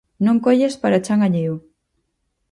Non collas para chan alleo!